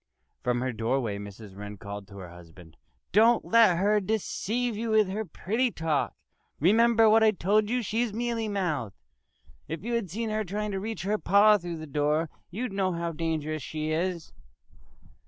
From her doorway Mrs. Wren called to her husband, "Don't let her deceive you with her pretty talk! Remember what I told you! She's mealy mouthed.... If you had seen her trying to reach her paw through the door you'd know how dangerous she is."